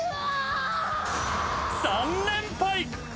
３連敗。